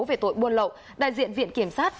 về tội buôn lậu đại diện viện kiểm sát